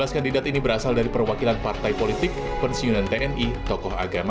dua belas kandidat ini berasal dari perwakilan partai politik pensiunan tni tokoh agama